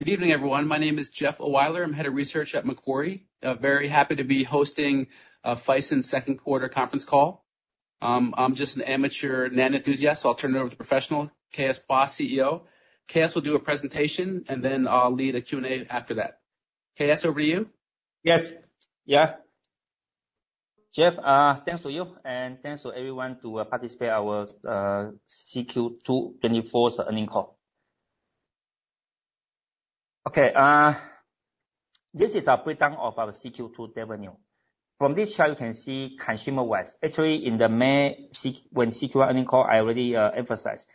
Good evening, everyone. My name is Jeff Ohlweiler. I'm Head of Research at Macquarie. Very happy to be hosting Phison's second quarter conference call. I'm just an amateur NAND enthusiast, so I'll turn it over to professional, K.S. Pua, CEO. KS, over to you. Yes. Yeah. Jeff, thanks to you, and thanks to everyone to participate our Q2 2024 earnings call. Okay, this is a breakdown of our Q2 revenue. From this chart, you can see consumer-wise. Actually, in the May when Q2 earnings call, I already emphasized.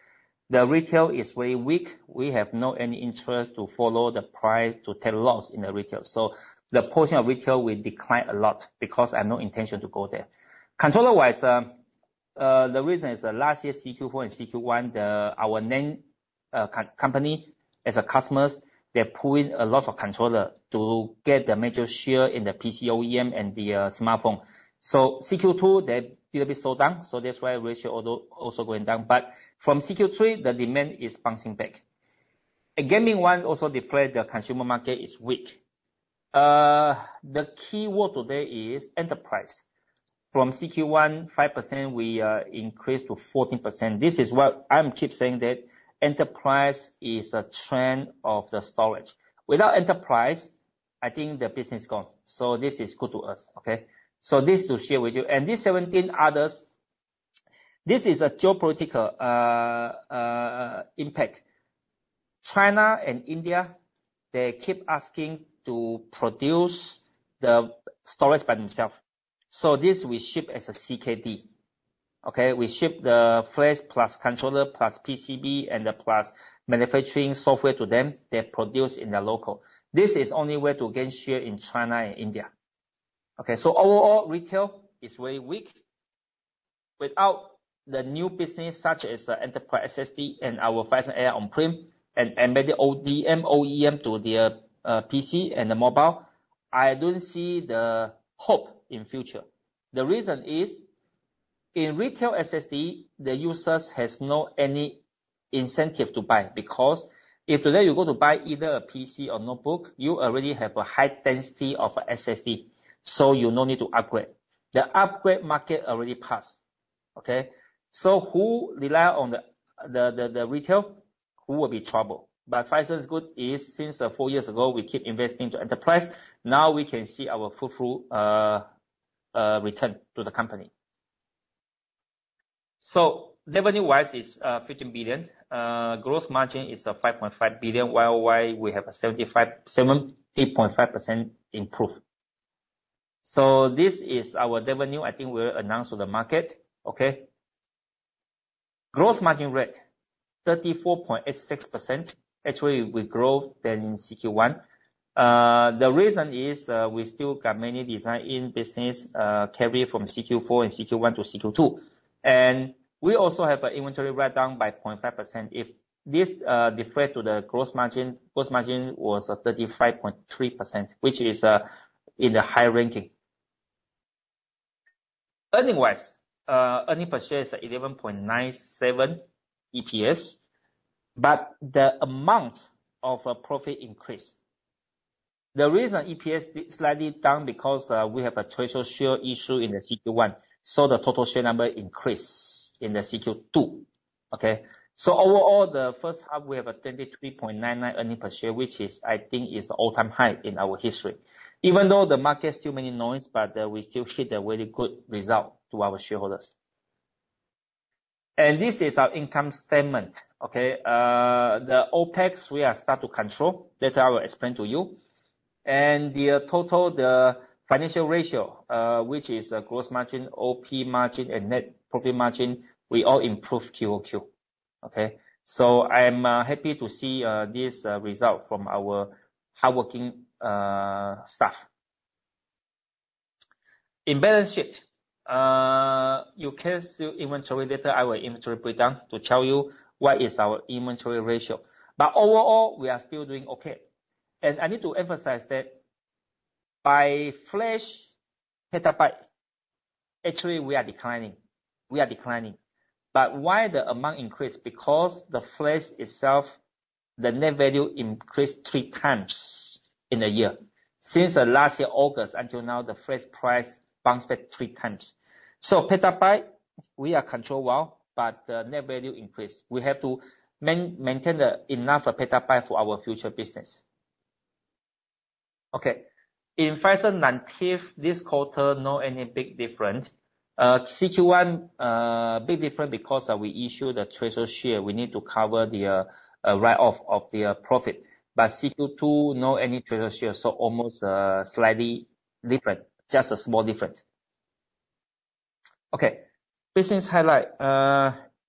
The retail is very weak. We have no any interest to follow the price to take loss in the retail, so the portion of retail will decline a lot because I have no intention to go there. Controller-wise, the reason is that last year, Q4 and Q1, our NAND company as a customers, they're pulling a lot of controller to get the major share in the PC OEM and the smartphone. So Q2, they did a bit slow down, so that's why ratio although also going down, but from Q3, the demand is bouncing back. A gaming one also reflect the consumer market is weak. The key word today is enterprise. From Q1, 5%, we increased to 14%. This is what I'm keep saying, that enterprise is a trend of the storage. Without enterprise, I think the business gone, so this is good to us. Okay? So this to share with you. And these 17 others, this is a geopolitical impact. China and India, they keep asking to produce the storage by themselves, so this we ship as a CKD. Okay? We ship the flash, plus controller, plus PCB, and then plus manufacturing software to them. They produce in the local. This is only way to gain share in China and India. Okay, so overall, retail is very weak. Without the new business such as Enterprise SSD and our Phison AI On-Prem and embedded ODM, OEM to their PC and the mobile, I don't see the hope in future. The reason is, in retail SSD, the users has no any incentive to buy, because if today you go to buy either a PC or notebook, you already have a high density of SSD, so you no need to upgrade. The upgrade market already passed, okay? So who rely on the retail, who will be troubled. But Phison's good is since four years ago, we keep investing to enterprise, now we can see our full return to the company. So revenue-wise is 15 billion. Gross margin is 5.5 billion, YOY, we have a 75.5% improvement. So this is our revenue. I think we'll announce to the market. Okay? Gross margin rate 34.86%. Actually, we grow than in CQ1. The reason is, we still got many design in business, carry from CQ4 and CQ1 to CQ2. And we also have a inventory write down by 0.5%. If this reflect to the gross margin, gross margin was 35.3%, which is in the high ranking. Earning-wise, earning per share is 11.97 EPS, but the amount of a profit increase. The reason EPS slightly down because, we have a treasury share issue in the CQ1, so the total share number increased in the CQ2. Okay? So overall, the first half, we have a 23.99 earning per share, which is, I think is all-time high in our history. Even though the market is still noisy, but we still hit a really good result to our shareholders. And this is our income statement, okay? The OpEx, we are start to control. Later, I will explain to you. And the total, the financial ratio, which is gross margin, OP margin, and net profit margin, we all improve QOQ, okay? So I'm happy to see this result from our hard-working staff. In balance sheet, you can see inventory. Later, I will inventory breakdown to show you what is our inventory ratio. But overall, we are still doing okay. And I need to emphasize that by flash petabyte, actually, we are declining. We are declining. But why the amount increased? Because the flash itself, the net value increased 3x in a year. Since the last year, August until now, the flash price bounced back three times. So petabyte, we are controlled well, but the net value increased. We have to maintain the enough petabyte for our future business. Okay. In Phison NAND inventory, this quarter, no any big different. Q1, big different because, we issued a treasury share. We need to cover the, write-off of the profit, but Q2, no any treasury share, so almost, slightly different. Just a small different. Okay. Business highlight.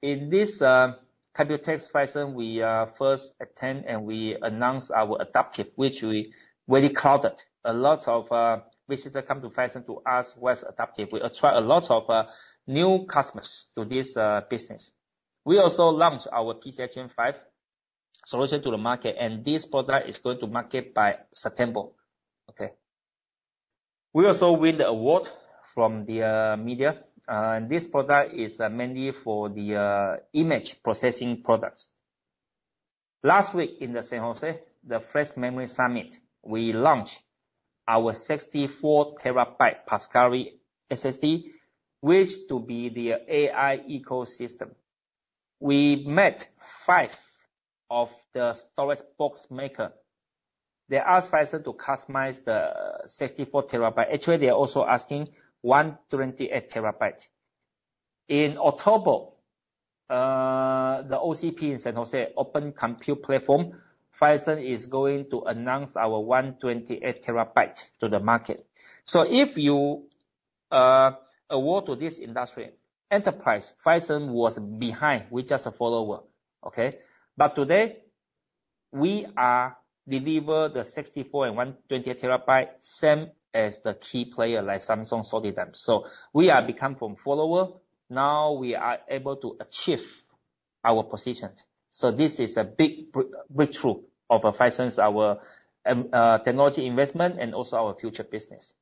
In this, Computex Phison, we, first attend, and we announce our aiDAPTIV+, which we already crowded. A lot of, visitors come to Phison to ask what's aiDAPTIV+. We attract a lot of, new customers to this, business. We also launched our PCIe Gen 5 solution to the market, and this product is going to market by September. Okay?... We also win the award from the media. This product is mainly for the image processing products. Last week, in San Jose, the Flash Memory Summit, we launched our 64 TB Pascari SSD, which to be the AI ecosystem. We met five of the storage box maker. They asked Phison to customize the 64 TB. Actually, they are also asking 128 TB. In October, the OCP in San Jose, Open Compute Project, Phison is going to announce our 128 TB to the market. So if you award to this industry, enterprise, Phison was behind. We're just a follower, okay? But today, we are deliver the 64 TB and 128 TB, same as the key player like Samsung, Solidigm. So we are become from follower, now we are able to achieve our positions. So this is a big breakthrough of Phison's, our technology investment and also our future business.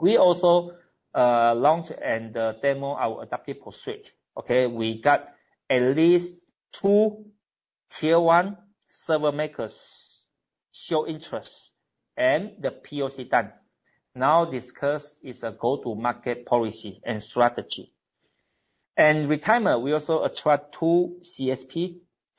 We also launched and demo our aiDAPTIV+ Suite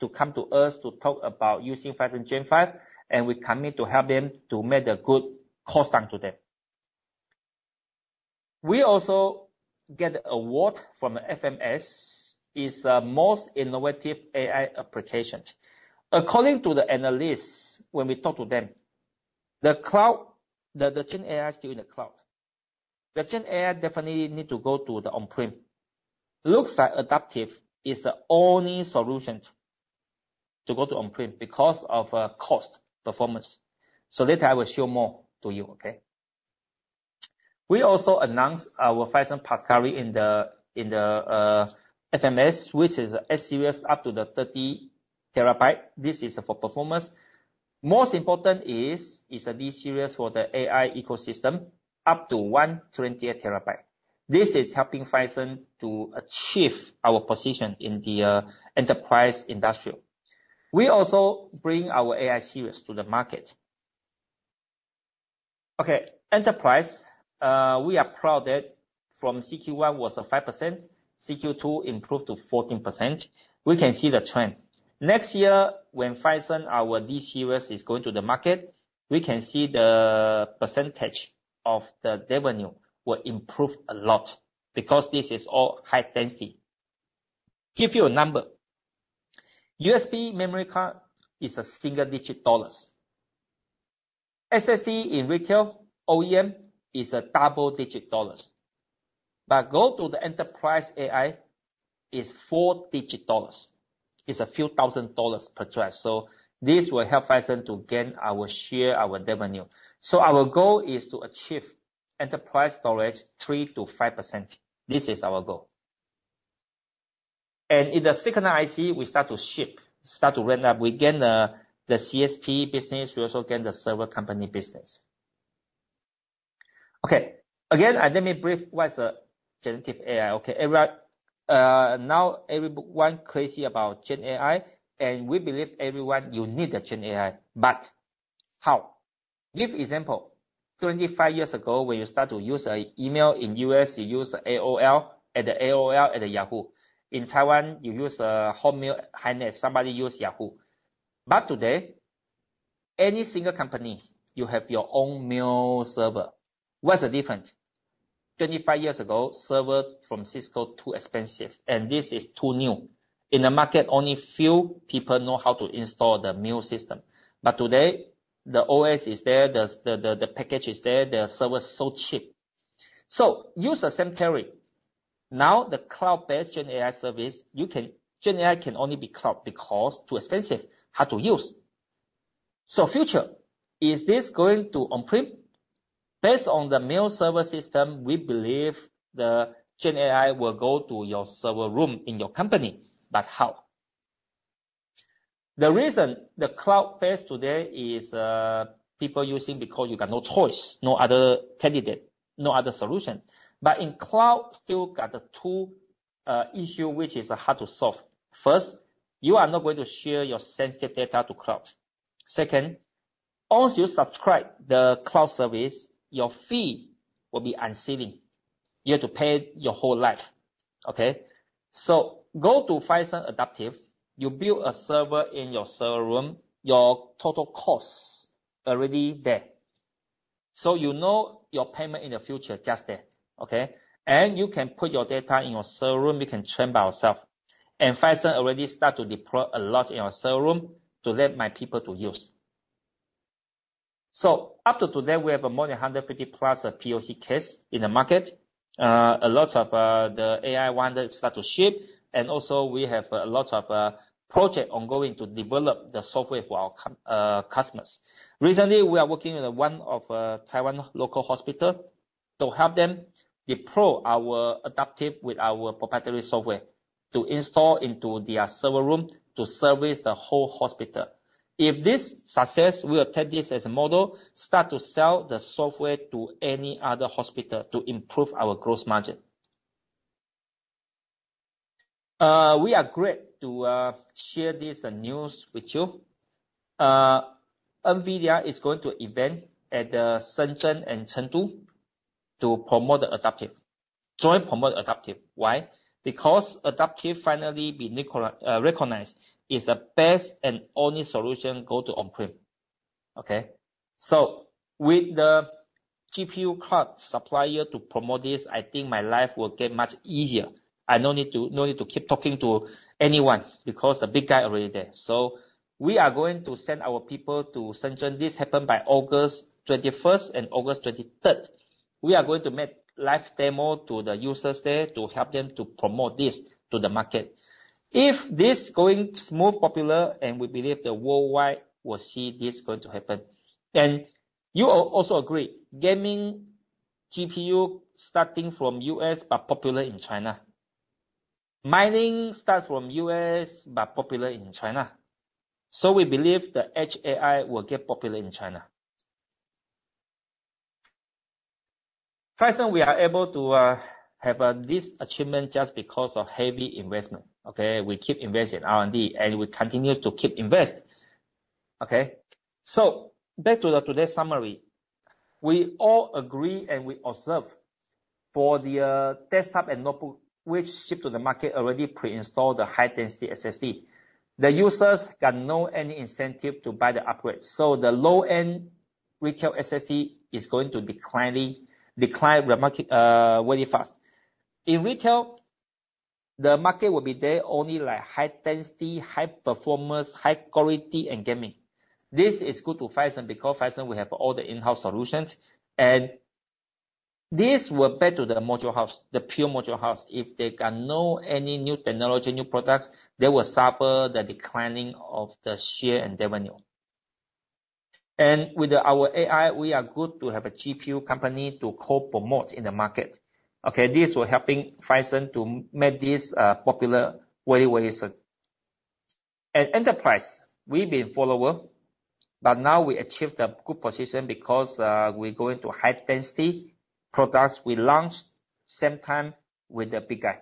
We also announced our Phison Pascari in the FMS, which is S-Series, up to 30 TB. This is for performance. Most important is the D-Series for the AI ecosystem, up to 128 TB. This is helping Phison to achieve our position in the enterprise industry. We also bring our AI series to the market. Okay, enterprise, we are proud that from Q1 was 5%, Q2 improved to 14%. We can see the trend. Next year, when Phison, our D-Series, is going to the market, we can see the percentage of the revenue will improve a lot because this is all high density. Give you a number. USB memory card is a single-digit dollars. SSD in retail, OEM is a double-digit dollars, but go to the enterprise AI is four-digit dollars. It's a few thousand dollars per drive. So this will help Phison to gain our share, our revenue. So our goal is to achieve enterprise storage, 3%-5%. This is our goal. And in the second IC, we start to ship, start to ramp up. We gain the, the CSP business, we also gain the server company business. Okay. Again, let me brief what's a generative AI, okay? Now everyone crazy about GenAI, and we believe everyone, you need a GenAI. But how? Give example, 25 years ago, when you start to use a email in U.S., you use AOL, at the AOL, at the Yahoo. In Taiwan, you use, Hotmail, HiNet, somebody use Yahoo. But today, any single company, you have your own mail server. What's the difference? 25 years ago, server from Cisco, too expensive, and this is too new. In the market, only few people know how to install the mail system. But today, the OS is there, the package is there, the server is so cheap. So use the same theory. Now, the cloud-based GenAI service, you can... GenAI can only be cloud, because too expensive, hard to use. So future, is this going to on-prem? Based on the mail server system, we believe the GenAI will go to your server room in your company. But how? The reason the cloud-based today is, people using, because you got no choice, no other candidate, no other solution. But in cloud, still got the two issue, which is hard to solve. First, you are not going to share your sensitive data to cloud. Second, once you subscribe the cloud service, your fee will be escalating. You have to pay your whole life, okay? So go to Phison aiDAPTIV+, you build a server in your server room, your total costs are already there. So you know your payment in the future, just there, okay? And you can put your data in your server room. You can trim by yourself. And Phison already start to deploy a lot in our server room to let my people to use. So up to today, we have more than 100 aiDAPTIV+ POC case in the market. A lot of the AI one that start to ship, and also we have a lot of project ongoing to develop the software for our cu- customers. Recently, we are working with one of Taiwan local hospital to help them deploy our aiDAPTIV+ with our proprietary software, to install into their server room to service the whole hospital. If this success, we will take this as a model, start to sell the software to any other hospital to improve our gross margin. We are glad to share this news with you. NVIDIA is going to event at the Shenzhen and Chengdu to promote the adaptive. Joint promote adaptive. Why? Because adaptive finally been recognized by NVIDIA as the best and only solution to go on-prem. Okay? So with the GPU card supplier to promote this, I think my life will get much easier. I no need to, no need to keep talking to anyone because the big guy already there. So we are going to send our people to Shenzhen. This happened by August 21st and August 23rd. We are going to make live demo to the users there to help them to promote this to the market. If this going smooth, popular, and we believe the world will see this going to happen. And you also agree, gaming GPU, starting from U.S., but popular in China. Mining start from U.S., but popular in China. So we believe the Edge AI will get popular in China. Phison, we are able to have this achievement just because of heavy investment, okay? We keep investing R&D, and we continue to keep invest. Okay? So back to today's summary. We all agree, and we observe for the desktop and notebook, which ship to the market already pre-installed the high-density SSD. The users got no any incentive to buy the upgrade, so the low-end retail SSD is going to decline, retail market very fast. In retail, the market will be there, only like high density, high performance, high quality, and gaming. This is good to Phison because Phison, we have all the in-house solutions, and this will be to the module house, the pure module house. If they got no any new technology, new products, they will suffer the declining of the share and revenue. And with our AI, we are good to have a GPU company to co-promote in the market. Okay, this will helping Phison to make this popular very, very soon. At enterprise, we've been follower, but now we achieved a good position because we're going to high-density products. We launch same time with the big guy.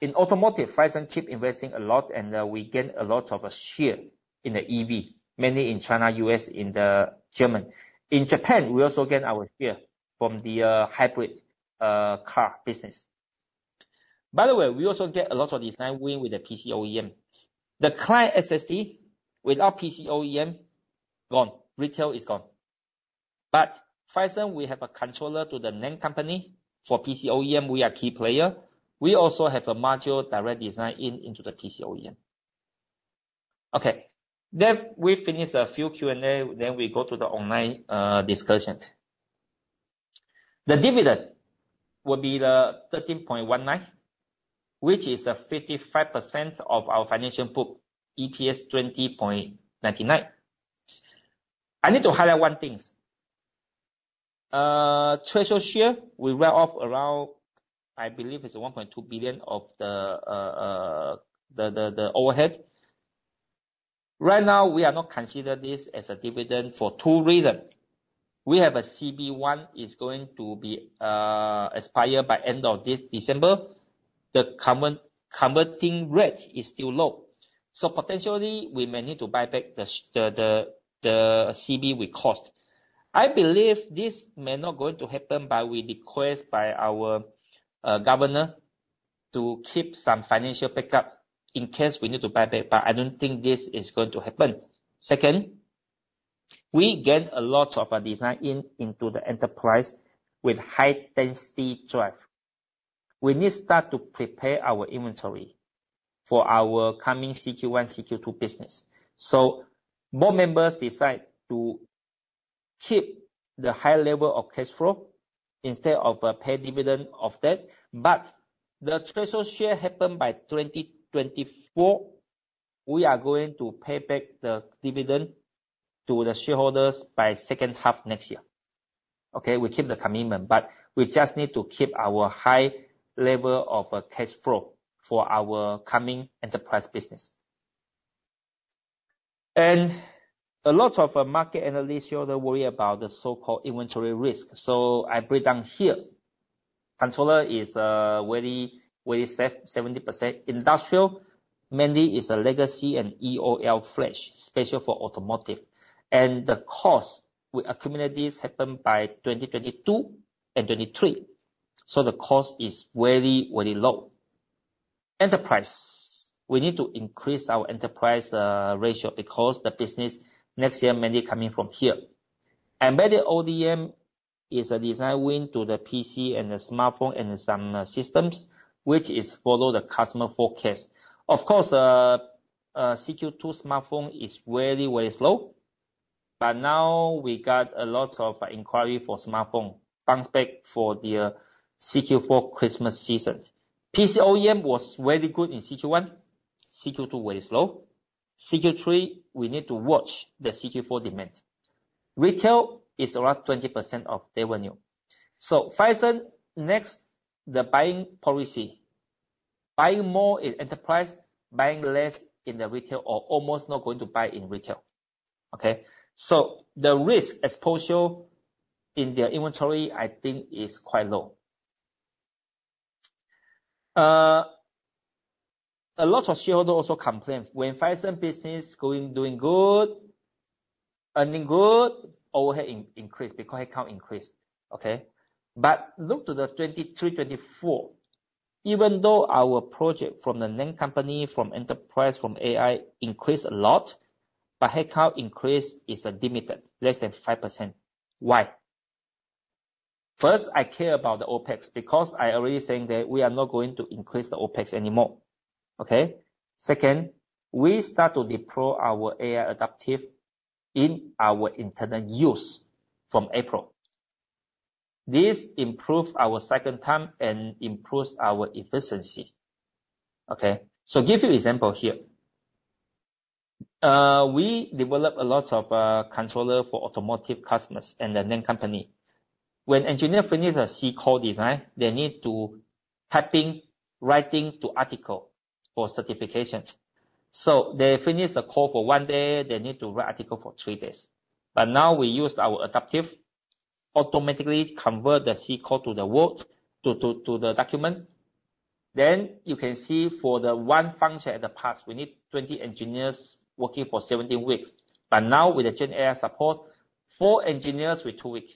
In automotive, Phison keep investing a lot, and we gain a lot of share in the EV, mainly in China, U.S., in Germany. In Japan, we also get our share from the hybrid car business. By the way, we also get a lot of design win with the PC OEM. The client SSD without PC OEM, gone. Retail is gone. But Phison, we have a controller to the NAND company. For PC OEM, we are key player. We also have a module direct design in, into the PC OEM. Okay. Then we finish a few Q&A, then we go to the online, discussion. The dividend will be 13.19, which is 55% of our financial book, EPS 20.99. I need to highlight one thing. Treasury share, we write off around, I believe it's 1.2 billion of the, the, the overhead. Right now, we are not considered this as a dividend for two reasons. We have a CB. One is going to be, expire by end of this December. The current conversion rate is still low, so potentially we may need to buy back the CB we issued. I believe this may not going to happen, but we request by our governor, to keep some financial backup in case we need to buy back, but I don't think this is going to happen. Second, we get a lot of design in into the enterprise with high-density drive. We need start to prepare our inventory for our coming CQ1, CQ2 business. So board members decide to keep the high level of cash flow instead of pay dividend of that. But the treasury share happened by 2024. We are going to pay back the dividend to the shareholders by second half next year. Okay, we keep the commitment, but we just need to keep our high level of cash flow for our coming enterprise business. And a lot of market analysts, they worry about the so-called inventory risk, so I break down here. Controller is very, very safe, 70%. Industrial, mainly is a legacy and EOL flash, special for automotive. And the cost, we accumulate this happen by 2022 and 2023, so the cost is very, very low. Enterprise. We need to increase our enterprise ratio because the business next year mainly coming from here. Embedded ODM is a design win to the PC and the smartphone and some systems, which is follow the customer forecast. Of course, Q2 smartphone is very, very slow, but now we got a lot of inquiry for smartphone. Bounce back for the Q4 Christmas season. PC OEM was very good in CQ1... CQ2 very slow. CQ3, we need to watch the CQ4 demand. Retail is around 20% of revenue. So Phison, next, the buying policy, buying more in enterprise, buying less in the retail or almost not going to buy in retail, okay? So the risk exposure in their inventory, I think, is quite low. A lot of shareholders also complain, when Phison business going, doing good, earning good, overhead increase because headcount increase, okay? But look to the 2023, 2024. Even though our project from the name company, from enterprise, from AI increased a lot, but headcount increase is limited, less than 5%. Why? First, I care about the OpEx, because I already saying that we are not going to increase the OpEx anymore, okay? Second, we start to deploy our AI adaptive in our internal use from April. This improves our second time and improves our efficiency, okay? So give you example here. We develop a lot of controller for automotive customers and the same company. When engineer finishes a C code design, they need to typing, writing to article for certifications. So they finish the code for one day, they need to write article for three days. But now we use our adaptive, automatically convert the C code to the Word, to the document. Then you can see for the one function in the past, we need 20 engineers working for 17 weeks. But now with the GenAI support, four engineers with two weeks.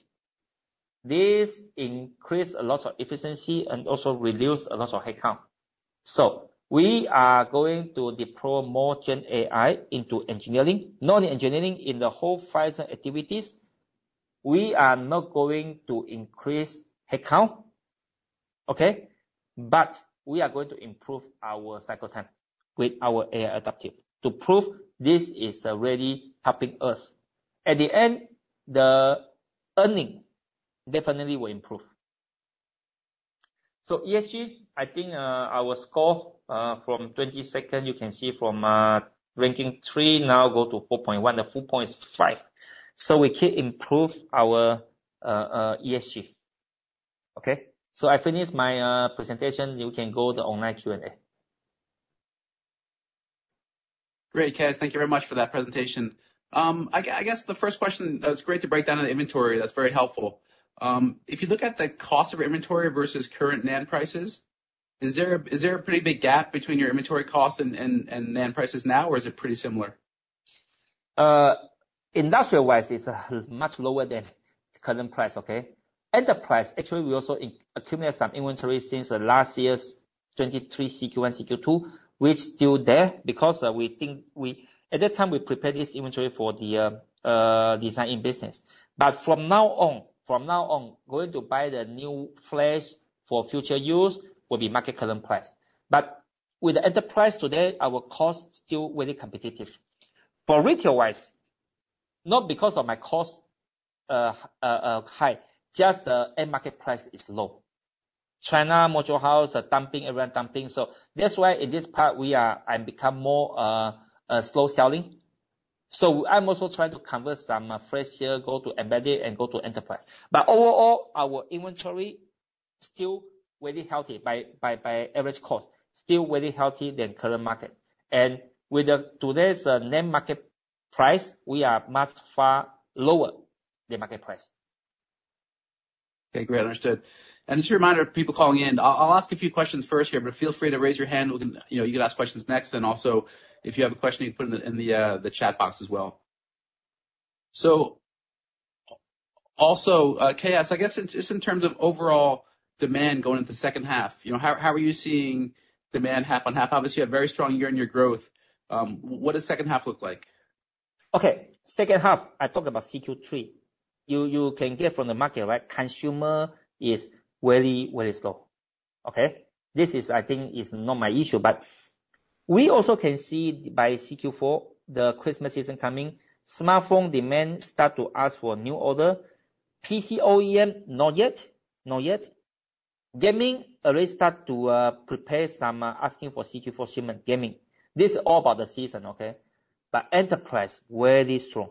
This increase a lot of efficiency and also reduce a lot of headcount. So we are going to deploy more GenAI into engineering. Not engineering, in the whole Phison activities, we are not going to increase headcount, okay? But we are going to improve our cycle time with our aiDAPTIV+ to prove this is really helping us. At the end, the earnings definitely will improve. So ESG, I think, our score, from 2022, you can see from, ranking 3, now go to 4.1. The full point is 5. So we can improve our, ESG, okay? So I finish my, presentation. You can go to the online Q&A. Great, K.S. Thank you very much for that presentation. I guess the first question, that's great to break down on the inventory. That's very helpful. If you look at the cost of inventory versus current NAND prices, is there a pretty big gap between your inventory costs and NAND prices now, or is it pretty similar? Industrial-wise, it's much lower than current price, okay? Enterprise, actually, we also accumulated some inventory since last year's 2023 CQ1, CQ2, which still there, because we think at that time, we prepared this inventory for the design-in business. But from now on, from now on, going to buy the new flash for future use will be market current price. But with the enterprise today, our cost still very competitive. For retail-wise, not because of my cost high, just the end market price is low. China module house are dumping, everyone dumping, so that's why, in this part, I'm become more slow selling. So I'm also trying to convert some flash here, go to embedded and go to enterprise. Overall, our inventory still very healthy by average cost, still very healthy than current market. With today's NAND market price, we are much far lower than market price. Okay, great, understood. And just a reminder of people calling in, I'll ask a few questions first here, but feel free to raise your hand. We can, you know, you can ask questions next, and also, if you have a question, you can put it in the chat box as well. So also, K.S., I guess, just in terms of overall demand going into the second half, you know, how are you seeing demand half on half? Obviously, a very strong year in your growth. What does second half look like? Okay. Second half, I talked about CQ3. You can get from the market, right? Consumer is very, very slow, okay? This is, I think, not my issue, but we also can see by CQ4, the Christmas season coming, smartphone demand start to ask for a new order. PC OEM, not yet, not yet. Gaming already start to prepare some asking for CQ4 shipment, gaming. This is all about the season, okay? But enterprise, very strong.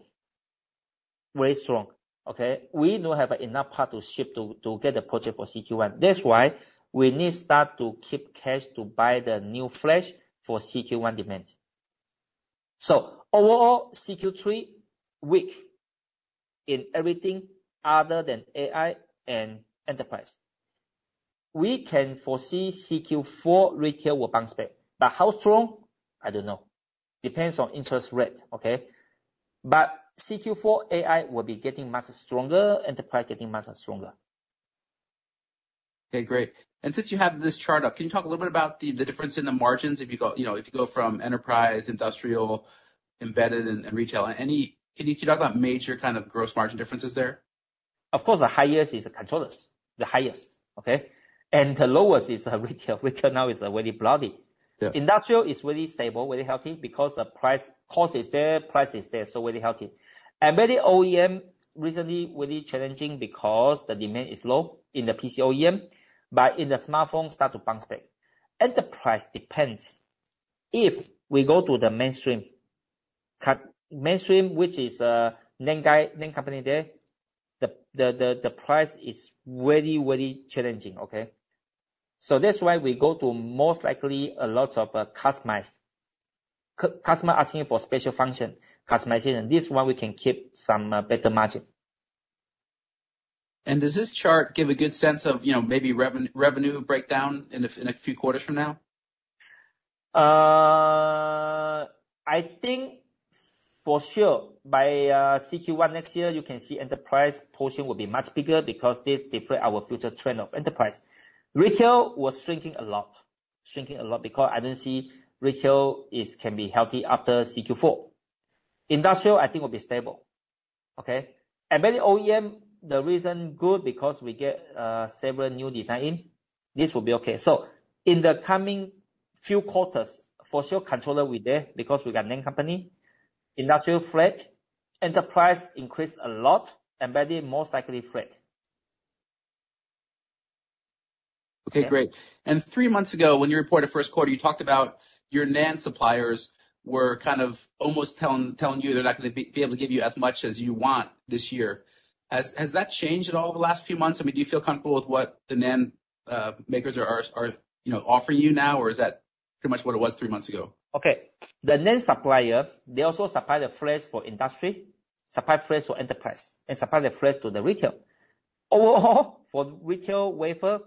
Very strong, okay? We don't have enough power to ship to get the project for CQ1. That's why we need start to keep cash to buy the new flash for CQ1 demand. So overall, CQ3, weak in everything other than AI and enterprise. We can foresee CQ4 retail will bounce back, but how strong? I don't know. Depends on interest rate, okay? But Q4 AI will be getting much stronger, enterprise getting much stronger. Okay, great. Since you have this chart up, can you talk a little bit about the difference in the margins if you go, you know, if you go from enterprise, industrial, embedded and retail? Can you talk about major kind of gross margin differences there? Of course, the highest is the controllers, the highest, okay? The lowest is retail. Retail now is already bloody. Yeah. Industrial is really stable, really healthy, because the price, cost is there, price is there, so really healthy. Embedded OEM, recently, really challenging because the demand is low in the PC OEM, but in the smartphone, start to bounce back. Enterprise depends if we go to the mainstream-... cut mainstream, which is name guy, name company there. The price is very, very challenging, okay? So that's why we go to most likely a lot of customized. Customer asking for special function, customization, this one we can keep some better margin. Does this chart give a good sense of, you know, maybe revenue breakdown in a few quarters from now? I think for sure, by Q1 next year, you can see enterprise portion will be much bigger because this reflect our future trend of enterprise. Retail was shrinking a lot, shrinking a lot because I don't see retail can be healthy after Q4. Industrial, I think, will be stable. Okay? Embedded OEM, the reason good because we get several new design in. This will be okay. So in the coming few quarters, for sure, controller we're there because we got name company, industrial flat, enterprise increased a lot, embedded most likely flat. Okay, great. Three months ago, when you reported first quarter, you talked about your NAND suppliers were kind of almost telling you they're not gonna be able to give you as much as you want this year. Has that changed at all the last few months? I mean, do you feel comfortable with what the NAND makers are, you know, offering you now, or is that pretty much what it was three months ago? Okay. The NAND supplier, they also supply the flash for industry, supply flash for enterprise, and supply the flash to the retail. Overall, for retail wafer,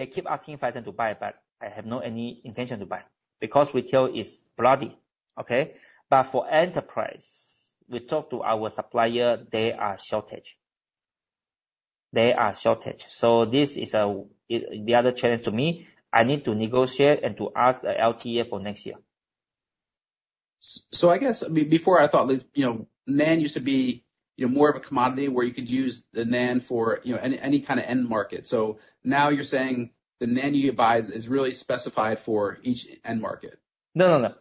they keep asking Phison to buy, but I have no any intention to buy because retail is bloody. Okay? But for enterprise, we talk to our supplier, they are shortage. They are shortage. So this is, the other challenge to me. I need to negotiate and to ask the LTA for next year. So I guess before I thought this, you know, NAND used to be, you know, more of a commodity where you could use the NAND for, you know, any kind of end market. So now you're saying the NAND you buy is really specified for each end market? No, no, no.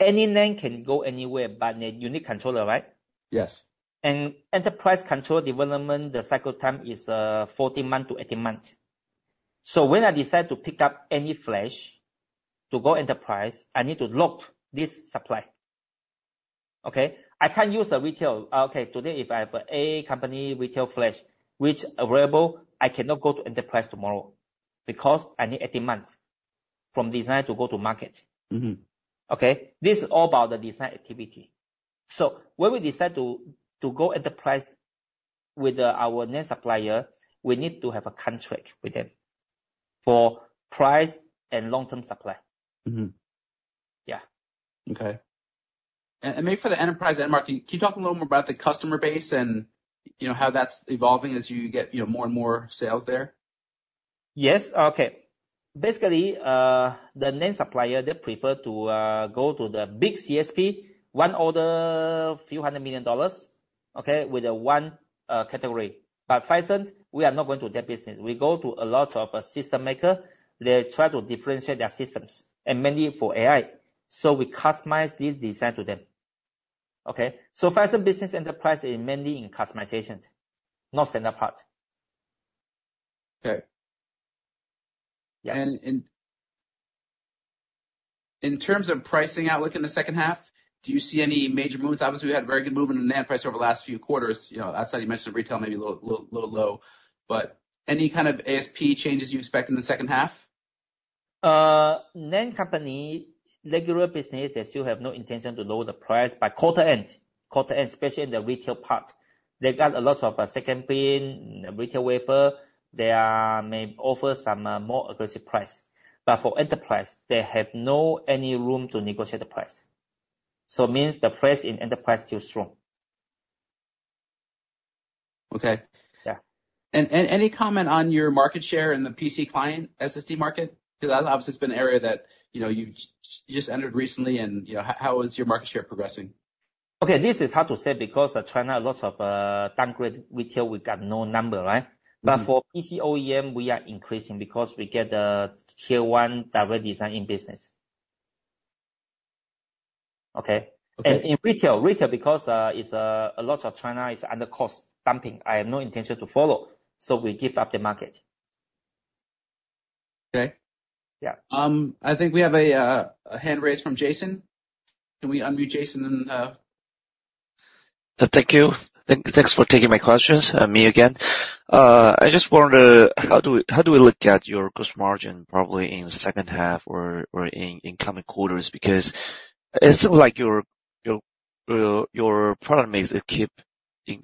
Any NAND can go anywhere, but you need controller, right? Yes. Enterprise control development, the cycle time is 14 months-18 months. So when I decide to pick up any flash to go enterprise, I need to lock this supply. Okay? I can't use a retail. Okay, today, if I have a company, retail flash, which available, I cannot go to enterprise tomorrow because I need 18 months from design to go to market. Mm-hmm. Okay? This is all about the design activity. So when we decide to go enterprise with our NAND supplier, we need to have a contract with them for price and long-term supply. Mm-hmm. Yeah. Okay. And maybe for the enterprise end market, can you talk a little more about the customer base and, you know, how that's evolving as you get, you know, more and more sales there? Yes. Okay. Basically, the NAND supplier, they prefer to go to the big CSP, one order, $few hundred million, okay? With the one category. But Phison, we are not going to that business. We go to a lot of system maker. They try to differentiate their systems, and mainly for AI. So we customize this design to them. Okay? So Phison business enterprise is mainly in customization, not standard part. Okay. Yeah. In terms of pricing outlook in the second half, do you see any major moves? Obviously, we had very good movement in NAND price over the last few quarters, you know, outside, you mentioned retail, maybe a little low, but any kind of ASP changes you expect in the second half? NAND company, regular business, they still have no intention to lower the price. By quarter end, quarter end, especially in the retail part, they got a lot of second-binning retail wafer. They may offer some more aggressive price, but for enterprise, they have no any room to negotiate the price. So it means the price in enterprise still strong. Okay. Yeah. And any comment on your market share in the PC client SSD market? Because obviously, it's been an area that, you know, you just entered recently, and, you know, how is your market share progressing? Okay, this is hard to say because China, a lot of downgrade retail, we got no number, right? Mm-hmm. But for PC OEM, we are increasing because we get the tier one direct design in business. Okay? Okay. In retail, because it's a lot of China is under cost dumping. I have no intention to follow, so we give up the market. Okay. Yeah. I think we have a hand raised from Jason. Can we unmute Jason and... Thank you. Thanks for taking my questions. Me again. I just wondered, how do we look at your gross margin, probably in second half or in coming quarters? Because it's like your product mix, it keeps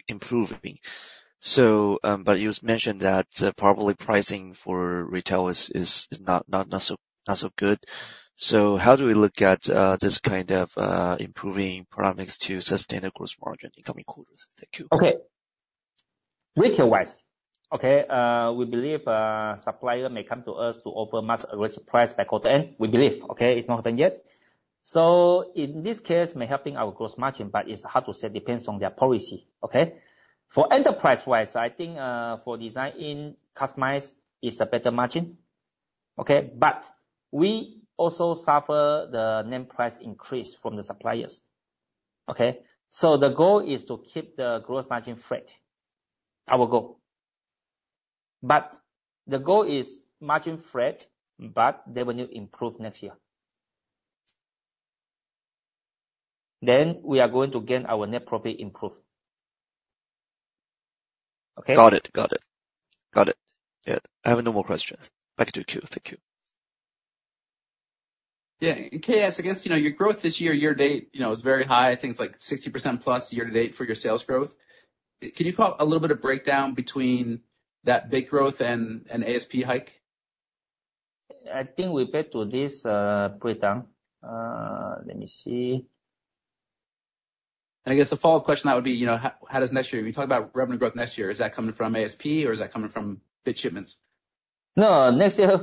improving. So, but you just mentioned that probably pricing for retail is not so good. So how do we look at this kind of improving product mix to sustain the gross margin in coming quarters? Thank you. Okay. Retail-wise, okay, we believe, supplier may come to us to offer much average price by quarter end, we believe, okay? It's not done yet. So in this case, may helping our gross margin, but it's hard to say, depends on their policy. Okay? For enterprise-wise, I think, for design in customize is a better margin, okay? But we also suffer the NAND price increase from the suppliers. Okay? So the goal is to keep the gross margin flat. Our goal. But the goal is margin flat, but revenue improve next year. Then we are going to gain our net profit improve. Okay? Got it. Got it. Got it. Yeah. I have no more questions. Back to you, thank you. Yeah, and KS, I guess, you know, your growth this year, year-to-date, you know, is very high. I think it's like 60%+ year-to-date for your sales growth. Can you provide a little bit of breakdown between that big growth and, and ASP hike? I think we get to this, breakdown. Let me see. I guess the follow-up question, that would be, you know, how does next year. We talked about revenue growth next year. Is that coming from ASP or is that coming from bit shipments? No, next year,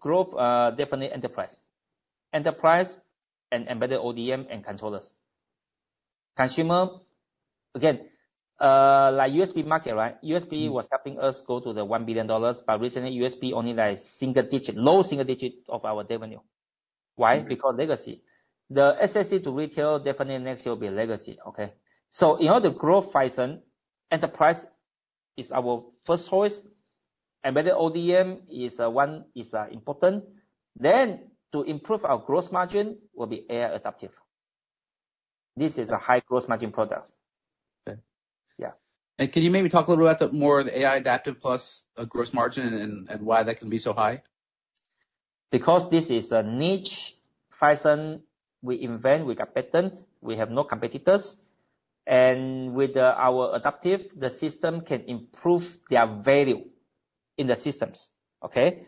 growth, definitely enterprise. Enterprise and embedded ODM and controllers. Consumer, again, like USB market, right? USB was helping us go to the $1 billion, but recently USB only like single digit, low single digit of our revenue. Why? Because legacy. The SSD to retail, definitely next year will be legacy, okay? So in order to grow Phison, enterprise is our first choice. Embedded ODM is, one, is, important. Then to improve our gross margin will be AI adaptive. This is a high gross margin products. Okay. Yeah. Can you maybe talk a little about the aiDAPTIV+, gross margin and why that can be so high? Because this is a niche, Phison, we invent, we got patent, we have no competitors. And with our adaptive, the system can improve their value in the systems, okay?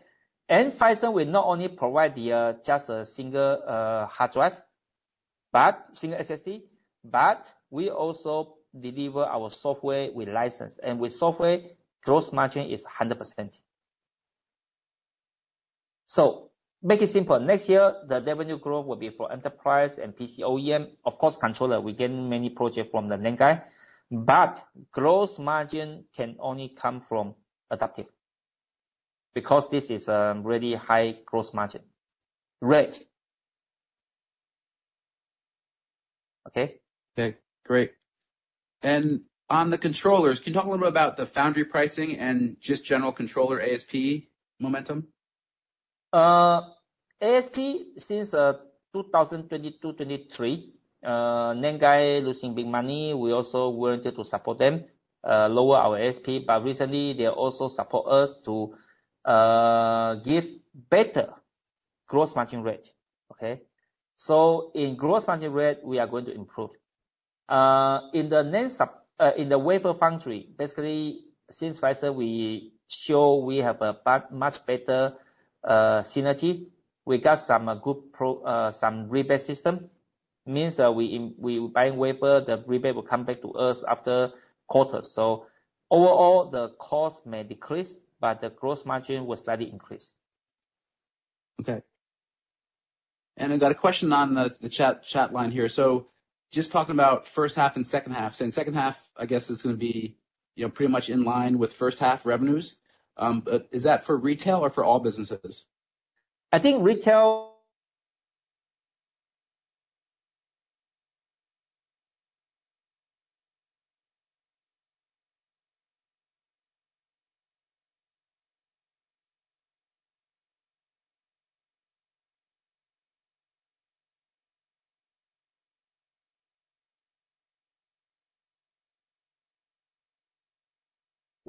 And Phison will not only provide the just a single hard drive, but single SSD, but we also deliver our software with license. And with software, gross margin is 100%. So make it simple. Next year, the revenue growth will be for enterprise and PC OEM. Of course, controller, we gain many project from the Nanya, but growth margin can only come from adaptive, because this is a really high growth margin rate. Okay? Okay, great. On the controllers, can you talk a little bit about the foundry pricing and just general controller ASP momentum? ASP since 2022, 2023, Nanya losing big money, we also wanted to support them, lower our ASP, but recently they also support us to give better gross margin rate, okay? So in gross margin rate, we are going to improve. In the wafer foundry, basically, since Phison, we show we have much better synergy. We got some rebate system. Means that we buying wafer, the rebate will come back to us after quarters. So overall, the cost may decrease, but the gross margin will slightly increase. Okay. And I've got a question on the chat line here. So just talking about first half and second half, so in second half, I guess it's gonna be, you know, pretty much in line with first half revenues. But is that for retail or for all businesses? I think retail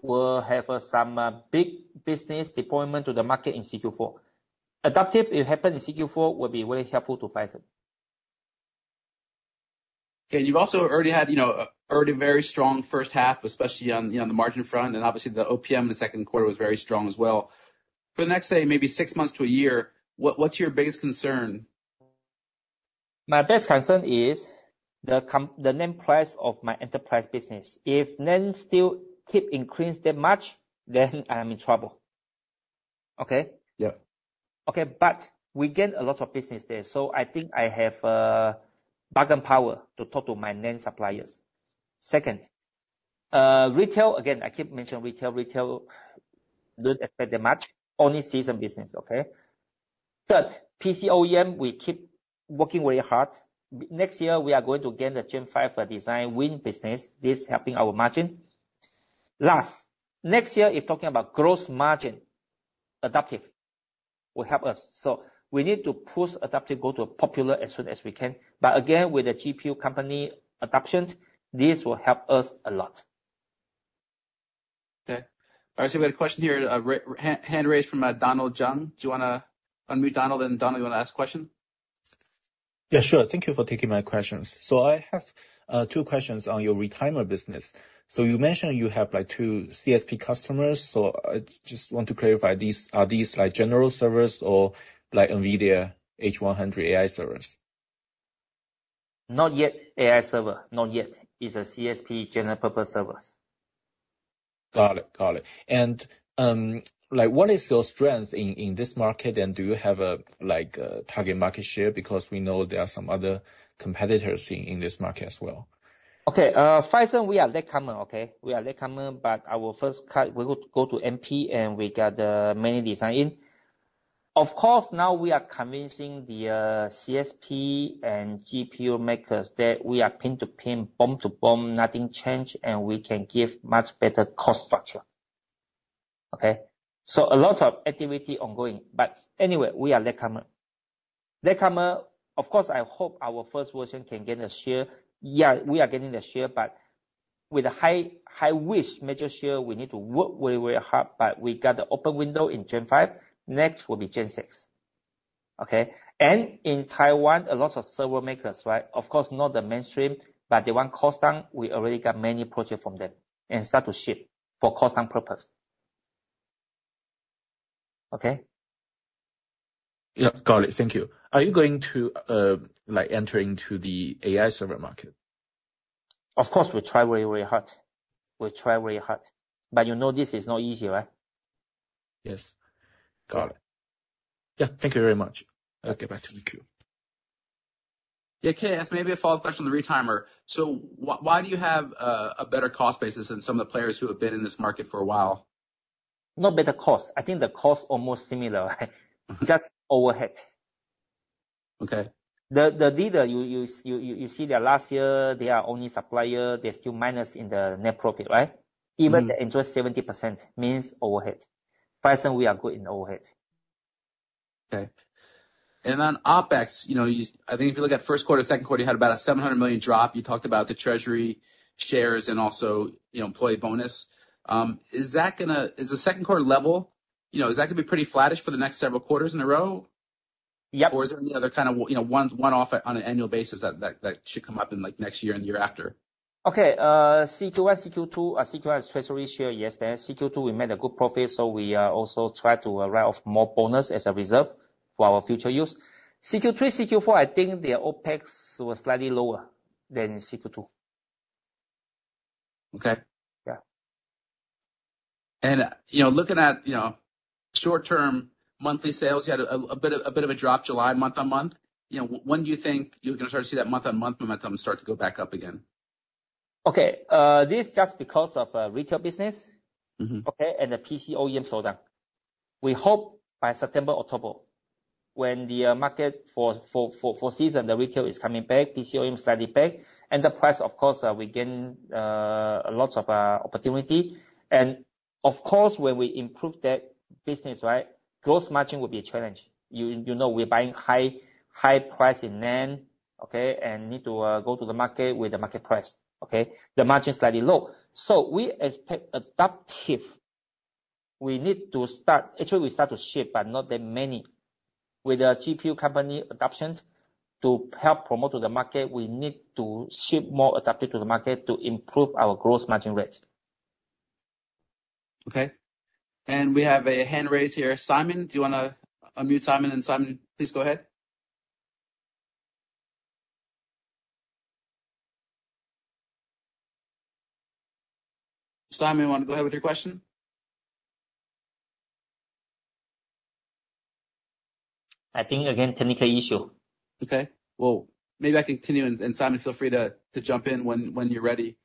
will have some big business deployment to the market in CQ4. Adaptive, it happen in CQ4, will be very helpful to Phison. Okay. You've also already had, you know, already very strong first half, especially on, you know, the margin front, and obviously the OPM in the second quarter was very strong as well. For the next, say, maybe six months to a year, what, what's your biggest concern? My biggest concern is the NAND price of my enterprise business. If NAND still keep increasing that much, then I'm in trouble. Okay? Yeah. Okay, but we gain a lot of business there, so I think I have bargain power to talk to my NAND suppliers. Second, retail, again, I keep mentioning retail, retail don't expect that much. Only season business, okay? Third, PC OEM, we keep working very hard. Next year, we are going to gain the Gen5 design win business. This helping our margin. Last, next year, if talking about growth margin, adaptive will help us. So we need to push adaptive, go to popular as soon as we can. But again, with the GPU company adaptations, this will help us a lot. Okay. All right, so we got a question here, hand raised from Donald Jung. Do you wanna unmute Donald? And Donald, you wanna ask question? Yeah, sure. Thank you for taking my questions. So I have two questions on your retimer business. So you mentioned you have, like, two CSP customers. So I just want to clarify, these, are these like general servers or like NVIDIA H100 AI servers? Not yet AI server, not yet. It's a CSP general-purpose servers. Got it, got it. And, like, what is your strength in this market? And do you have, like, a target market share? Because we know there are some other competitors in this market as well. Okay, Phison, we are latecomer, okay? We are latecomer, but our first—we would go to MP, and we got many designs in. Of course, now we are convincing the CSP and GPU makers that we are pin-to-pin, bump-to-bump, nothing change, and we can give much better cost structure, okay? So a lot of activity ongoing, but anyway, we are latecomer. Latecomer, of course, I hope our first version can get a share. Yeah, we are getting a share, but with a high, high risk major share, we need to work very, very hard, but we got the open window in Gen5. Next will be Gen6, okay? And in Taiwan, a lot of server makers, right? Of course, not the mainstream, but the one cost down, we already got many projects from them and start to ship for cost down purpose. Okay? Yeah, got it. Thank you. Are you going to, like, enter into the AI server market? Of course, we try very, very hard. We try very hard, but you know, this is not easy, right? Yes. Got it. Yeah. Thank you very much. I'll get back to the queue. Yeah, can I ask maybe a follow-up question on the Retimer? So why do you have a better cost basis than some of the players who have been in this market for a while? No better cost. I think the cost are more similar, just overhead. Okay. The leader, you see that last year, they are only supplier, they're still minus in the net profit, right? Mm-hmm. Even the interest 70% means overhead. Phison, we are good in overhead. Okay. On OpEx, you know, I think if you look at first quarter, second quarter, you had about a 700 million drop. You talked about the treasury shares and also, you know, employee bonus. Is that gonna... Is the second quarter level, you know, is that gonna be pretty flattish for the next several quarters in a row? Yep. Or is there any other kind of, you know, one-off on an annual basis that should come up in, like, next year and the year after? Okay, Q, Q2, Q has treasury share, yes. Then Q2, we made a good profit, so we also tried to write off more bonus as a reserve for our future use. Q3, Q4, I think their OpEx was slightly lower than in Q2. Okay. Yeah. You know, looking at, you know, short-term monthly sales, you had a bit of a drop July, month-on-month. You know, when do you think you're gonna start to see that month-on-month momentum start to go back up again? Okay, this just because of retail business. Mm-hmm. Okay? And the PC OEM slow down. We hope by September, October, when the market for, for, for four season, the retail is coming back, PC OEM slightly back, and the price, of course, we gain a lot of opportunity. And of course, when we improve that business, right, gross margin will be a challenge. You know, we're buying high, high price in NAND, okay? And need to go to the market with the market price. Okay. The margin is slightly low. So we expect adaptive. We need to start... Actually, we start to ship, but not that many. With the GPU company adaptations, to help promote to the market, we need to ship more adaptive to the market to improve our gross margin rate. Okay. And we have a hand raised here. Simon, do you wanna unmute Simon? And Simon, please go ahead. Simon, you want to go ahead with your question? I think, again, technical issue. Okay. Well, maybe I continue, and Simon, feel free to jump in when you're ready.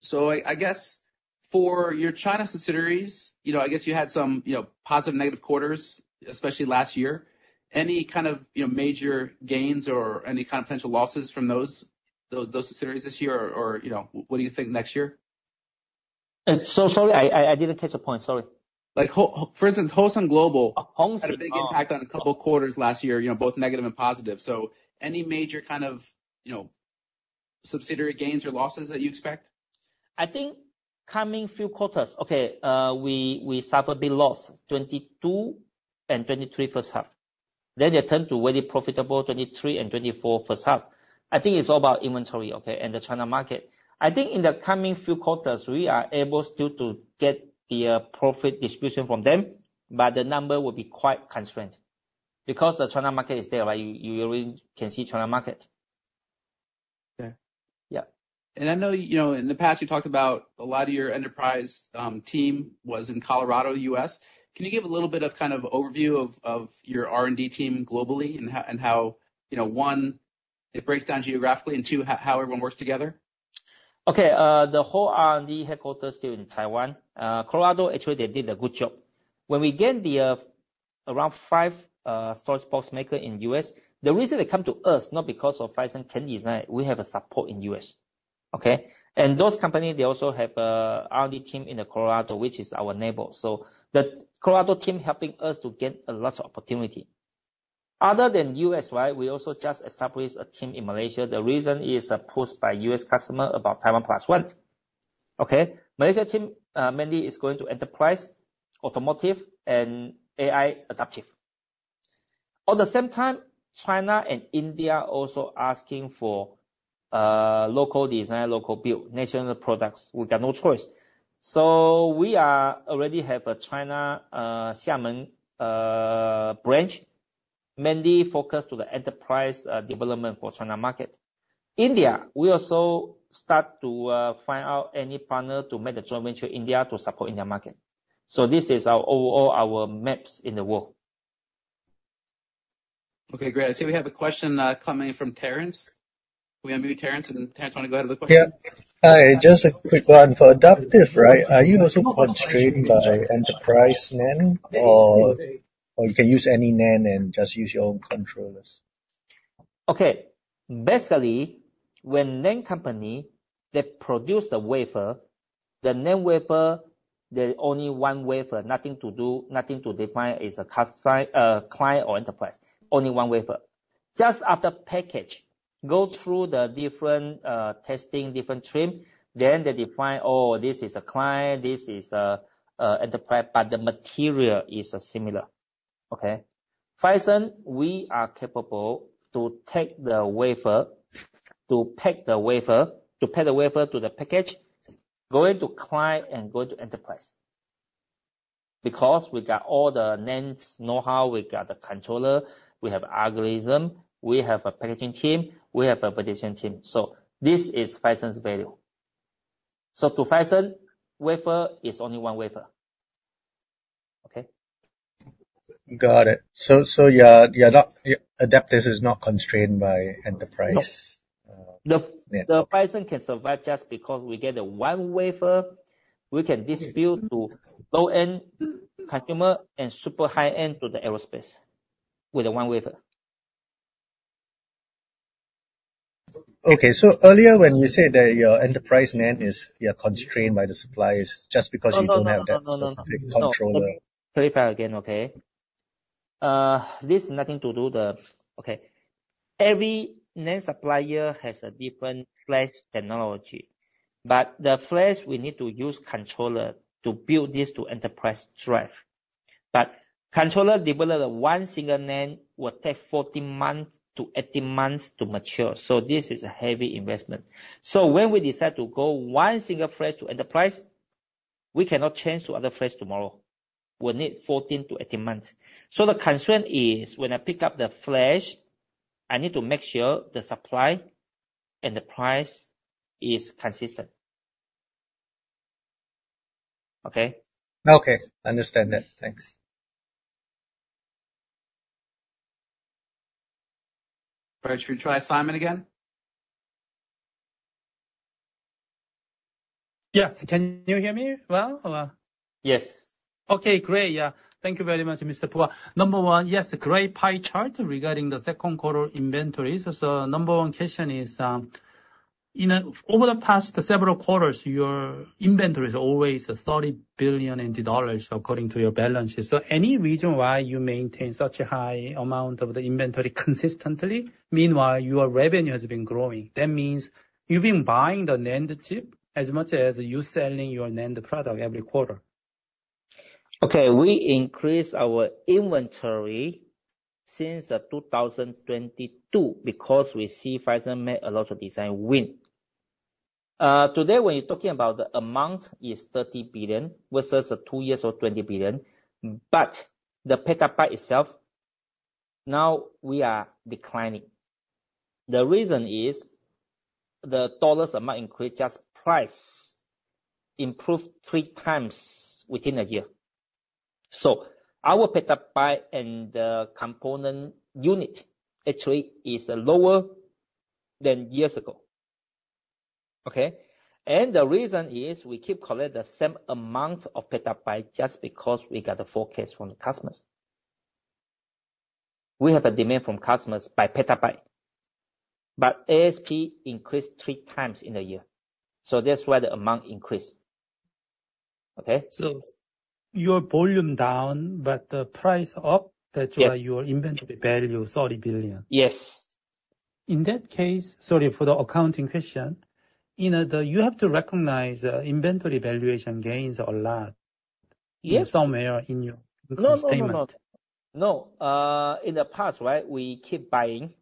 So I guess for your China subsidiaries, you know, I guess you had some, you know, positive, negative quarters, especially last year. Any kind of, you know, major gains or any kind of potential losses from those subsidiaries this year, or, you know, what do you think next year? So, sorry, I didn't catch the point. Sorry. Like, for instance, Hosin Global Hosin, oh. Had a big impact on a couple quarters last year, you know, both negative and positive. So any major kind of, you know, subsidiary gains or losses that you expect? I think coming few quarters, okay, we suffer a big loss, 2022 and 2023 first half. Then they return to very profitable, 2023 and 2024 first half. I think it's all about inventory, okay, and the China market. I think in the coming few quarters, we are able still to get the, profit distribution from them, but the number will be quite constrained because the China market is there, right? You already can see China market. Okay. Yeah. I know, you know, in the past, you talked about a lot of your enterprise team was in Colorado, U.S. Can you give a little bit of, kind of overview of your R&D team globally and how you know, one, it breaks down geographically, and two, how everyone works together? Okay, the whole R&D headquarters still in Taiwan. Colorado, actually, they did a good job. When we gain the, around 5, storage box maker in U.S., the reason they come to us, not because of Phison design, we have a support in U.S., okay? And those companies, they also have a R&D team in the Colorado, which is our neighbor. So the Colorado team helping us to get a lot of opportunity. Other than U.S., right? We also just established a team in Malaysia. The reason is, pushed by U.S. customer about Taiwan Plus One. Okay? Malaysia team, mainly is going to enterprise, automotive, and AI adaptive. At the same time, China and India are also asking for, local design, local build, national products. We got no choice. So we already have a China Xiamen branch, mainly focused to the enterprise development for China market. India, we also start to find out any partner to make the joint venture India to support India market. So this is our overall, our maps in the world.... Okay, great. I see we have a question, coming in from Terrence. We gonna mute Terrence, and Terrence, wanna go ahead with the question? Yeah. Hi, just a quick one. For aiDAPTIV+, right, are you also constrained by enterprise NAND? Or you can use any NAND and just use your own controllers. Okay. Basically, when NAND company, they produce the wafer, the NAND wafer, there are only one wafer, nothing to do, nothing to define as a customer-client or enterprise. Only one wafer. Just after package, go through the different, testing, different trim, then they define, "Oh, this is a client, this is a, enterprise," but the material is, similar. Okay? Phison, we are capable to take the wafer, to pack the wafer, to pack the wafer to the package, going to client and go to enterprise. Because we got all the NAND's know-how, we have the controller, we have algorithm, we have a packaging team, we have a production team. So this is Phison's value. So to Phison, wafer is only one wafer. Okay? Got it. So, Adaptive is not constrained by enterprise? No. Uh, yeah. The Phison can survive just because we get the one wafer. We can supply to low-end consumer and super high-end to the aerospace with the one wafer. Okay. So earlier, when you said that your enterprise NAND is, you are constrained by the suppliers, just because you don't have that- No, no, no, no, no, no. - specific controller. Clarify again, okay? Okay. Every NAND supplier has a different flash technology, but the flash, we need to use controller to build this to enterprise drive. But controller develop one single NAND will take 14 months to 18 months to mature, so this is a heavy investment. So when we decide to go one single flash to enterprise, we cannot change to other flash tomorrow. We'll need 14 months to 18 months. So the constraint is, when I pick up the flash, I need to make sure the supply and the price is consistent. Okay? Okay. Understand that. Thanks. All right. Should we try Simon again? Yes. Can you hear me well? Or... Yes. Okay, great. Yeah. Thank you very much, Mr. Pua. Number one, yes, great pie chart regarding the second quarter inventories. So number one question is, you know, over the past several quarters, your inventory is always $30 billion, according to your balances. So any reason why you maintain such a high amount of the inventory consistently? Meanwhile, your revenue has been growing. That means you've been buying the NAND chip as much as you selling your NAND product every quarter. Okay, we increased our inventory since 2022 because we see Phison made a lot of design win. Today, when you're talking about the amount is $30 billion versus the two years ago $20 billion, but the petabyte itself, now we are declining. The reason is, the dollar amount increase, just price improved 3 times within a year. So our petabyte and the component unit actually is lower than years ago. Okay? And the reason is, we keep collect the same amount of petabyte just because we got the forecast from the customers. We have a demand from customers by petabyte, but ASP increased 3 times in a year. So that's why the amount increased. Okay? So your volume down, but the price up- Yeah. That's why your inventory value is 30 billion? Yes. In that case, sorry for the accounting question, you know, the, you have to recognize the inventory valuation gains a lot- Yes. in somewhere in your statement. No, no, no, no. No. In the past, right, we keep buying.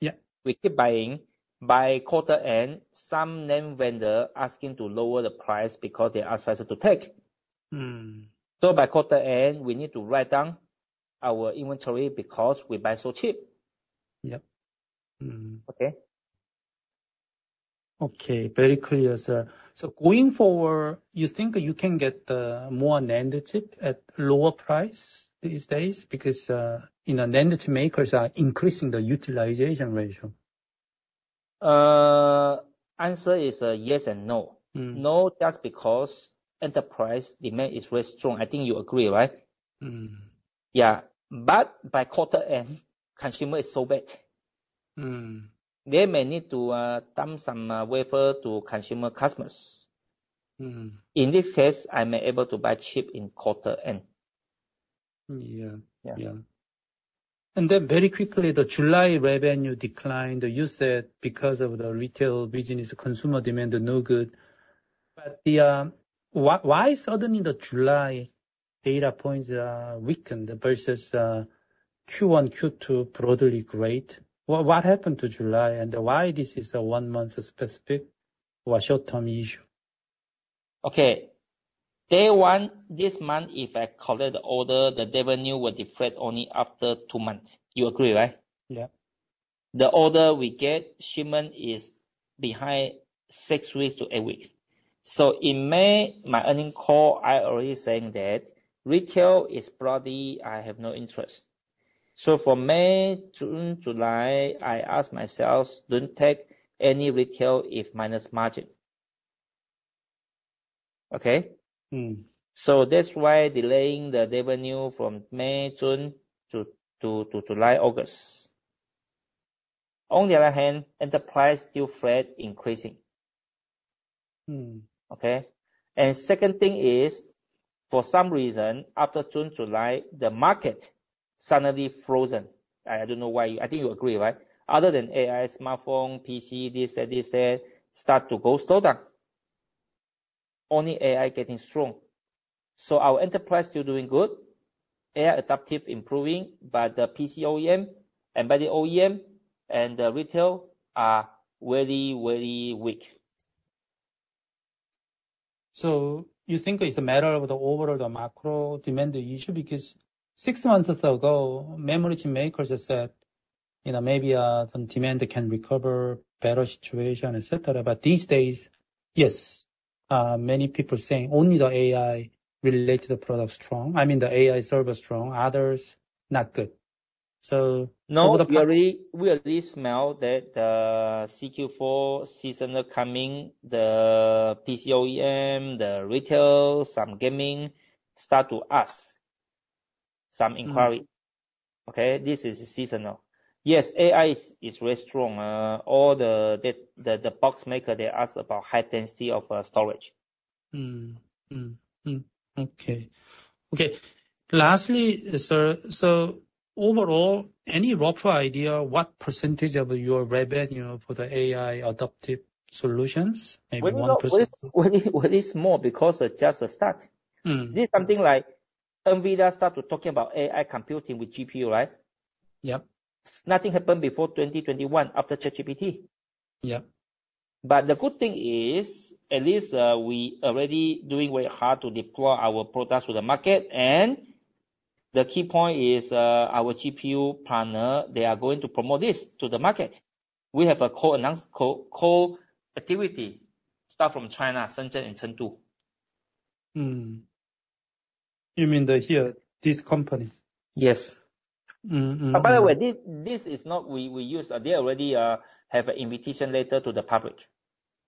Yeah. We keep buying. By quarter end, some name vendor asking to lower the price because they ask Phison to take. Mm. So by quarter end, we need to write down our inventory because we buy so cheap. Yep. Mm. Okay? Okay, very clear, sir. So going forward, you think you can get more NAND chip at lower price these days? Because, you know, NAND chip makers are increasing the utilization ratio. Answer is, yes and no. Mm. No, just because enterprise demand is very strong. I think you agree, right? Mm. Yeah, but by quarter end, consumer is so bad. Mm. They may need to dump some wafer to consumer customers. Mm. In this case, I'm able to buy cheap in quarter end. Yeah. Yeah. Yeah. And then very quickly, the July revenue declined, you said, because of the retail business, consumer demand no good. But why suddenly the July data points weakened versus Q1, Q2, broadly great? What happened to July, and why this is a one-month specific or a short-term issue? Okay. Day one, this month, if I collect the order, the revenue will deflate only after two months. You agree, right? Yeah. ...The order we get, shipment is behind 6-8 weeks. So in May, my earnings call, I already saying that retail is bloody, I have no interest. So from May, June, July, I asked myself, "Don't take any retail if minus margin." Okay? Mm. So that's why delaying the revenue from May, June, to July, August. On the other hand, enterprise still flat increasing. Mm. Okay? And the second thing is, for some reason, after June, July, the market suddenly frozen. I don't know why. I think you agree, right? Other than AI, smartphone, PC, this and this, that start to go slower. Only AI getting strong. So our enterprise still doing good, AI adaptive improving, but the PC OEM and by the OEM and the retail are very, very weak. So you think it's a matter of the overall, the macro demand issue? Because six months or so ago, memory makers have said, you know, maybe some demand can recover, better situation, et cetera. But these days, yes, many people are saying only the AI-related product strong... I mean, the AI server strong, others not good. So- No, we already, we already smell that, Q4 seasonal coming, the PC OEM, the retail, some gaming start to ask some inquiry. Mm. Okay? This is seasonal. Yes, AI is, is very strong. All the box maker, they ask about high density of storage. Okay. Okay, lastly, sir, so overall, any rough idea what percentage of your revenue, you know, for the AI adaptive solutions? Maybe 1%. Well, well, well, it's more because it's just a start. Mm. This is something like NVIDIA start to talking about AI computing with GPU, right? Yep. Nothing happened before 2021, after ChatGPT. Yeah. But the good thing is, at least, we already doing very hard to deploy our products to the market. And the key point is, our GPU partner, they are going to promote this to the market. We have a co-announce, co-activity, start from China, Shenzhen, and Chengdu. Mm. You mean the here, this company? Yes. Mm, mm, mm. By the way, this is not we use. They already have an invitation letter to the public.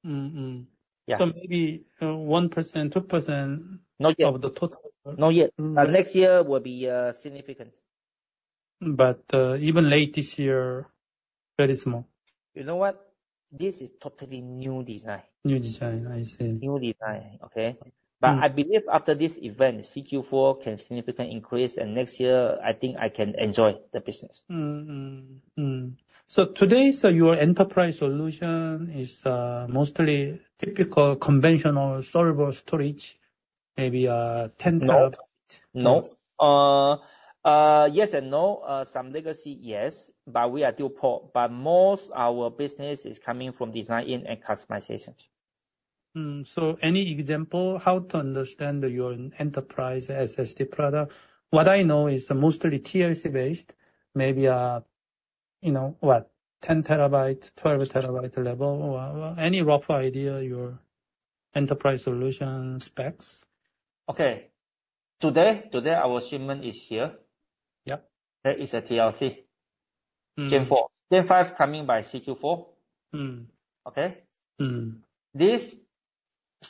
Mm, mm. Yeah. So maybe 1%-2%- Not yet. Of the total. Not yet. Mm. But next year will be significant. But, even late this year, very small. You know what? This is totally new design. New design, I see. New design, okay? Mm. I believe after this event, Q4 can significantly increase, and next year, I think I can enjoy the business. So today, your enterprise solution is mostly typical conventional server storage, maybe ten- No. Terabyte. No. Yes and no. Some legacy, yes, but we are dual core. But most our business is coming from design in and customizations. So any example how to understand your enterprise SSD product? What I know is mostly TLC based, maybe, you know, what, 10 TB, 12 TB level. Any rough idea, your enterprise solution specs? Okay. Today, today, our shipment is here. Yep. That is a TLC. Mm. Gen 4. Gen 5, coming by Q4. Mm. Okay? Mm.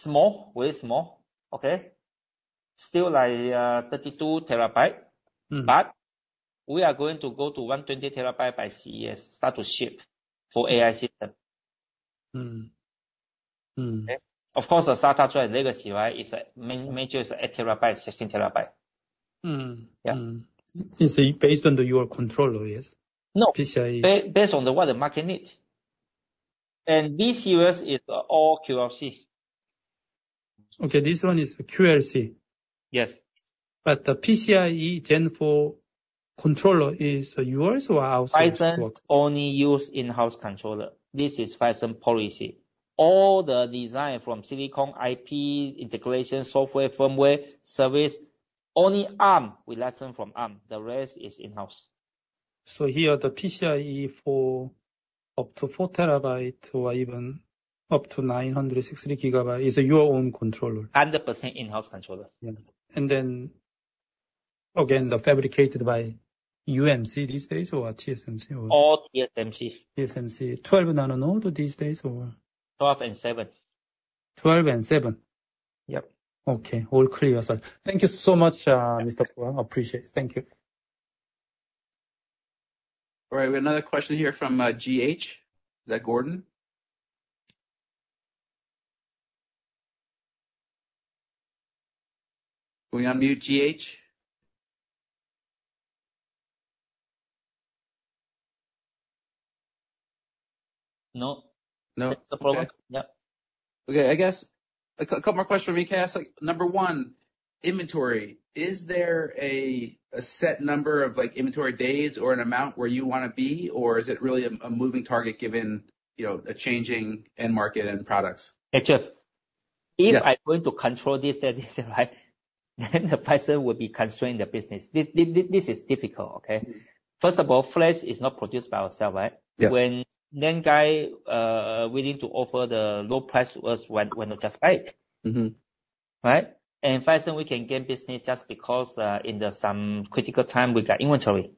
This small, very small, okay? Still like, 32 TB. Mm. We are going to go to 120 TB by CES, start to ship for AI system. Mm. Mm. Of course, the SATA drive legacy, right, is major is 8 TB, 16 TB. Mm. Yeah. Mm. Is it based on your controller, yes? No. PCIe. Based on what the market needs. This series is all QLC. Okay, this one is QLC? Yes. But the PCIe Gen 4 controller is yours or outsourced? Phison only use in-house controller. This is Phison policy. All the design from silicon, IP, integration, software, firmware, service, only Arm, we license from Arm. The rest is in-house. Here, the PCIe 4 TB, up to 4 TB or even up to 960 GB is your own controller? 100% in-house controller. Yeah. And then again, they're fabricated by UMC these days, or TSMC, or? All TSMC. TSMC. 12 nanometer these days, or? 12 nanometer and 7 nanometer. 12 nanometer and 7 nanometer? Yep. Okay, all clear. Thank you so much, Mr. Huang. I appreciate it. Thank you. All right, we have another question here from G.H. Is that Gordon? Can we unmute G.H.? No. No? Mr. Huang. Yep. Okay, I guess a couple more questions we can ask. Like, number one, inventory. Is there a set number of, like, inventory days or an amount where you wanna be? Or is it really a moving target, given, you know, the changing end market and products? Actually, if I'm going to control this, that, this, right? Then the person will be constraining the business. This is difficult, okay? First of all, flash is not produced by ourselves, right? Yeah. When Nanya willing to offer the low price to us when not just buy it. Mm-hmm. Right? And Phison, we can gain business just because, in the some critical time, we got inventory.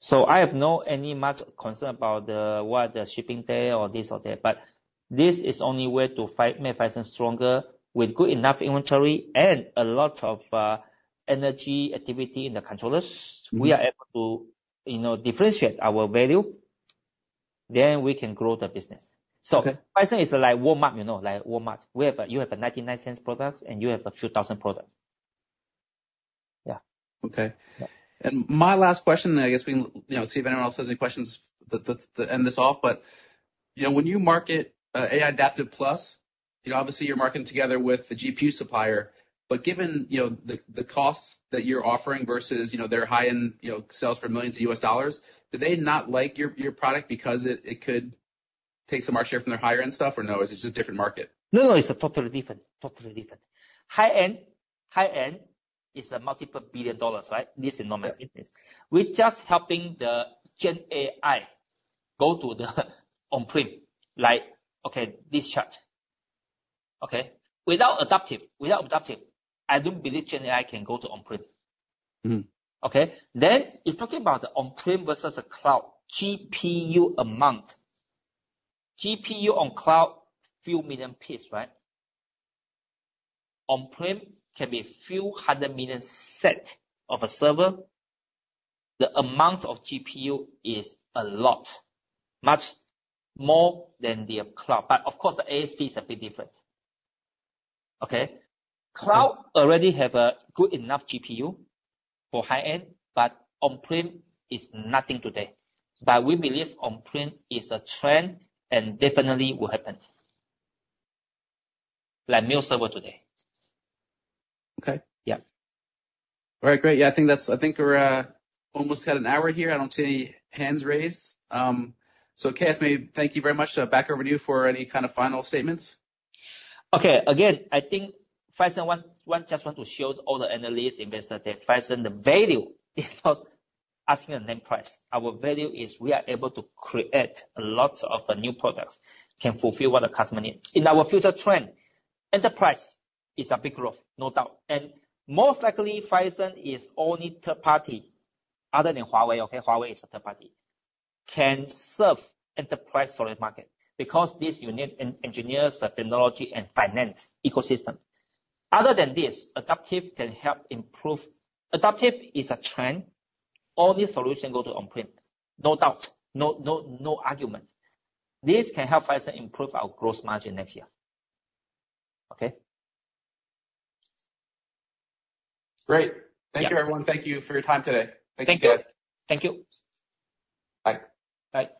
So I have no any much concern about the, what the shipping day or this or that, but this is only way to fight, make Phison stronger. With good enough inventory and a lot of energy, activity in the controllers. Mm-hmm. We are able to, you know, differentiate our value, then we can grow the business. Okay. So Phison is like Walmart, you know, like Walmart, where but you have $0.99 products, and you have a few thousand products. Yeah. Okay. Yeah. And my last question, I guess we can, you know, see if anyone else has any questions that to end this off. But, you know, when you market AI Adaptive Plus, you know, obviously you're marketing together with the GPU supplier, but given, you know, the costs that you're offering versus, you know, their high-end, you know, sales for millions of US dollars, do they not like your product because it could take some market share from their higher-end stuff, or no, is it just different market? No, no, it's totally different. Totally different. high-end, high-end is a multiple $ billion, right? This is normal business. Yeah. We're just helping the Gen AI go to the on-prem, like, okay, this chart. Okay? Without adaptive, without adaptive, I don't believe Gen AI can go to on-prem. Mm. Okay. Then you're talking about the on-prem versus a cloud GPU amount. GPU on cloud, few million piece, right? On-prem can be a few hundred million set of a server. The amount of GPU is a lot, much more than the cloud, but of course, the ASP is a bit different, okay? Mm. Cloud already have a good enough GPU for high-end, but on-prem is nothing today. But we believe on-prem is a trend and definitely will happen. Like new server today. Okay. Yeah. All right, great. Yeah, I think we're almost at an hour here. I don't see any hands raised. So, K.S. Pua, thank you very much. Back over to you for any kind of final statements. Okay. Again, I think Phison just wants to show all the analysts, investors, that Phison, the value is not asking a name price. Our value is we are able to create a lot of new products, can fulfill what the customer need. In our future trend, enterprise is a big growth, no doubt. And most likely, Phison is only third party other than Huawei, okay? Huawei is a third party, can serve enterprise SSD market because this unit and engineers the technology and finance ecosystem. Other than this, Adaptive can help improve. Adaptive is a trend. All these solution go to on-prem, no doubt, no, no, no argument. This can help Phison improve our gross margin next year. Okay? Great. Yeah. Thank you, everyone. Thank you for your time today. Thank you, guys. Thank you. Bye. Bye.